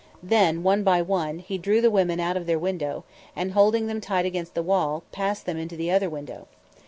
Then, one by one, he drew the women out of their window, and, holding them tight against the wall, passed them into the other window.